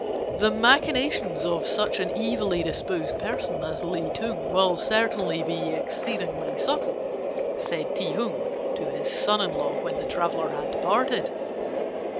"'The machinations of such an evilly disposed person as Li Ting will certainly be exceedingly subtle,' said Ti Hung to his son in law when the traveller had departed.